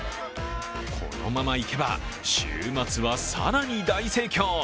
このままいけば、週末は更に大盛況。